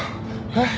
えっ？